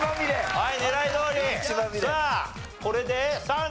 はい。